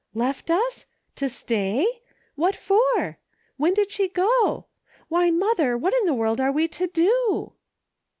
"Left us! To stay.? What for.? When did she go .• Why, mother, what in the world are we to do